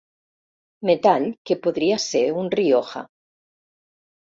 Metall que podria ser un Rioja.